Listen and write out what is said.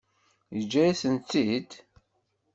Yeǧǧa-yasen-tt-id?